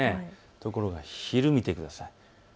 ところが昼を見てください。